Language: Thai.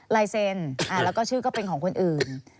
ลายเซ็นแล้วก็ชื่อก็เป็นของคนอื่น